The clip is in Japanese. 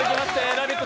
ラヴィット！